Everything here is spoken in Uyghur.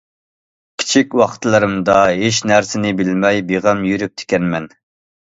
كىچىك ۋاقىتلىرىمدا ھېچ نەرسىنى بىلمەي بىغەم يۈرۈپتىكەنمەن.